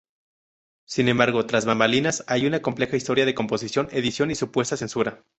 Sin embargo, tras bambalinas, hay una compleja historia de composición, edición y supuesta censura.